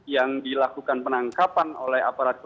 yang dilakukan penangkapan oleh aparat